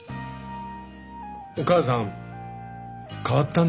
お母さん変わったんだよ。